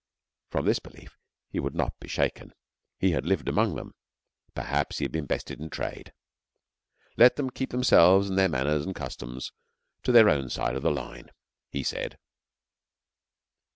From this belief he would not be shaken. He had lived among them perhaps had been bested in trade. Let them keep themselves and their manners and customs to their own side of the line, he said.